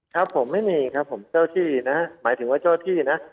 ครับผมไม่มีครับผมเจ้าที่นะหมายถึงว่าเจ้าที่นะ